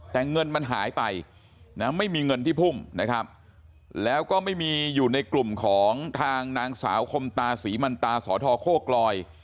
แต่เงินมันหายไปนะไม่มีเงินที่พุ่งนะครับแล้วก็ไม่มีอยู่ในกลุ่มของทางนางสาวคมตาศรีมันตาสทโคกลอย